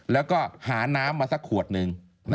แล้วก็หาน้ำมาสักขวดหนึ่ง